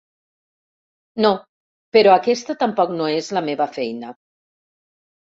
No, però aquesta tampoc no és la meva feina.